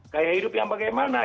gaya hidup yang bagaimana